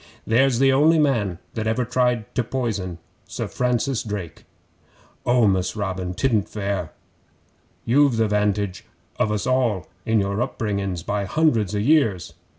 'There's the only man that ever tried to poison Sir Francis Drake!' 'Oh, Mus' Robin! 'Tidn't fair. You've the 'vantage of us all in your upbringin's by hundreds o' years.